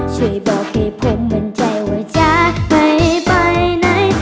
ช่วยบอกให้ผมมั่นใจว่าจะไปไหน